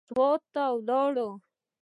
سوات ته ولاړ.